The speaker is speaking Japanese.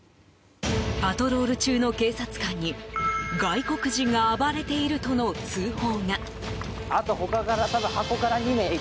パトロール中の警察官に外国人が暴れているとの通報が。